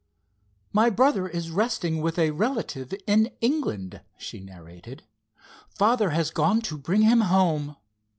"My brother is resting with a relative in England," she narrated. "Father has gone to bring him home.